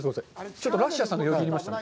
ちょっとラッシャーさんがよぎりましたね。